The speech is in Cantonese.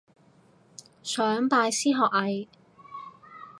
想拜師學藝